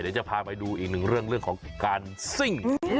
เดี๋ยวจะพาไปดูอีกหนึ่งเรื่องของการซิ่ง